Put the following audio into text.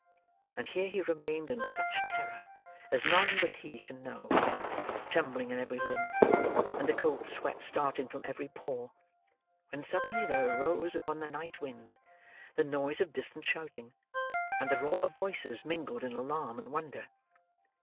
And here he remained in such terror as none but he can know, trembling in every limb, and the cold sweat starting from every pore, when suddenly there arose upon the night wind the noise of distant shouting, and the roar of voices mingled in alarm and wonder.